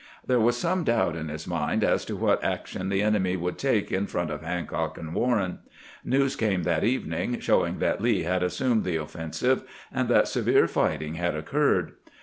There was some doubt in his mind as to what action the enemy would take in front of Hancock and Warren. News came that evening, showing that Lee had assumed the offensive, and that severe fighting had occurred.